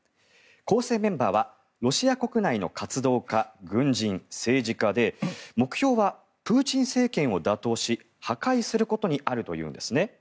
構成メンバーはロシア国内の活動家、軍人政治家で目標はプーチン政権を打倒し破壊することにあるというんですね。